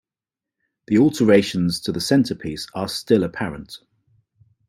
The alterations to the centrepiece are still apparent.